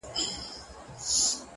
پلار او مور یې په قاضي باندي نازېږي،